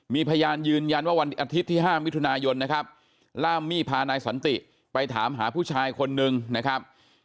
มีพยานยืนยันว่าวันอาทิตย์ที่๕มิถุนายนนะครับล่ามมี่พานายสันติไปถามหาผู้ชายคนนึงนะครับ